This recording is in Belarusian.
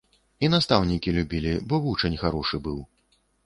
І настаўнікі любілі, бо вучань харошы быў.